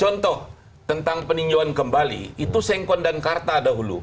contoh tentang peninjauan kembali itu sengkon dan karta dahulu